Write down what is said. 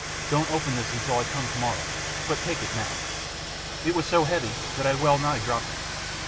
Don't open this until I come to morrow but take it now." It was so heavy that I well nigh dropped it.